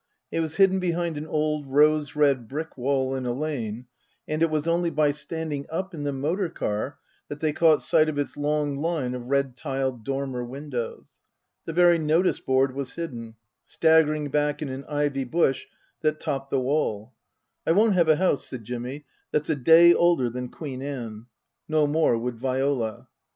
It was hidden behind an old rose red brick wall in a lane, and it was only by standing up in the motor car that they caught sight of its long line of red tiled dormer windows. The very notice board was hidden, staggering back in an ivy bush that topped the wall. " I won't have a house," said Jimmy, " that's a day older than Queen Anne." No more would Viola.